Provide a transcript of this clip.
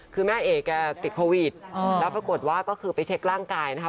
คือแม่เอกติดโควิดแล้วปรากฏว่าก็คือไปเช็คร่างกายนะคะ